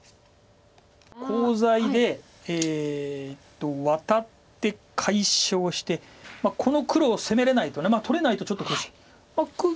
コウ材でワタって解消してこの黒を攻めれないと取れないとちょっと苦しい。